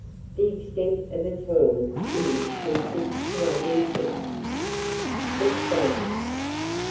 The extent of its horns is from six to eight inches. [Illustration: THE STAG.